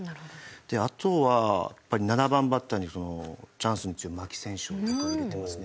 であとはやっぱり７番バッターにそのチャンスに強い牧選手を僕は入れてますね。